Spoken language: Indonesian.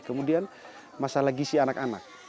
kemudian masalah gisi anak anak